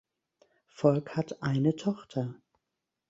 Volk hat eine Tochter.